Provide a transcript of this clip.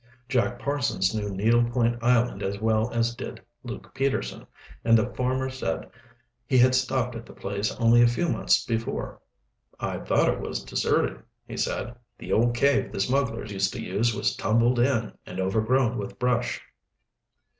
Jack Parsons knew Needle Point Island as well as did Luke Peterson, and the former said he had stopped at the place only a few months before. "I thought it was deserted," he said. "The old cave the smugglers used to use was tumbled in and overgrown with brush."